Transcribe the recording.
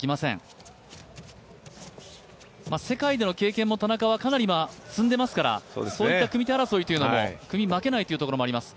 世界での経験も田中はかなり積んでますからそういった組み手争いというのも、組み負けないというところもあります。